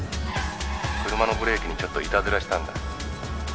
「車のブレーキにちょっといたずらしたんだ」